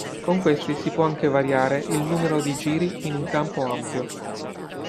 Con questi si può anche variare il numero di giri in un campo ampio.